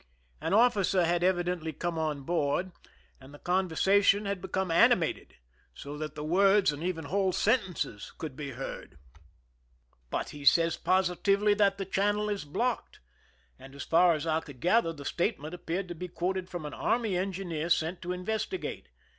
An officer had evidently come on board, and the conversation had become animated, so that words and even whole sentences could be heard :^^ But he 138 IMPRISONMENT IN MORRO CASTLE says positively that the channel is blocked "; and, as far as I could gather, the statement appeared to be quoted from an army engineer sent to investi gate.